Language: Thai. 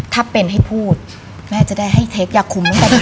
ถ้าเป็นให้พูดแม่จะได้ให้เทคยาคุมตั้งแต่เด็ก